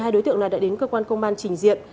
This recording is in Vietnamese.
hai đối tượng này đã đến cơ quan công an trình diện